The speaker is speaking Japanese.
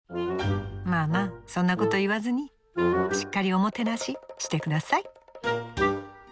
まあまあそんなこと言わずにしっかりおもてなしして下さい。